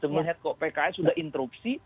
melihat kok pks sudah interupsi